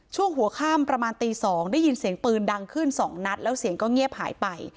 ช่วงหัวค่ำประมาณตี๒ได้ยินเสียงปืนดังขึ้นสองนัดแล้วเสียงก็เงียบหายไป